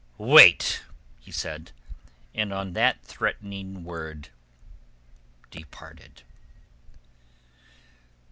"Wait!" he said, and on that threatening word departed.